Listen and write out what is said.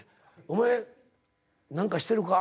お前何かしてるか？